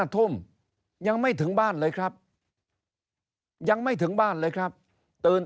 ทุ่มยังไม่ถึงบ้านเลยครับยังไม่ถึงบ้านเลยครับตื่น